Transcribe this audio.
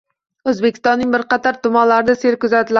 O‘zbekistonning bir qator tumanlarida sel kuzatildi